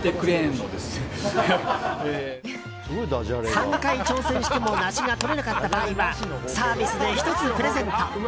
３回挑戦しても梨が取れなかった場合はサービスで１つプレゼント。